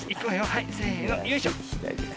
はいせのよいしょ。